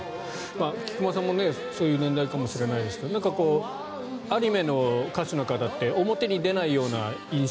菊間さんもそういう年代かもしれないですけどアニメの歌手の方って表に出ないような印象